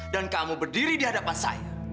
dan kamu berdiri di hadapan saya